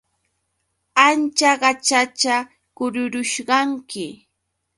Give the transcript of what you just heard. Ancha qaćhachakurusqanki.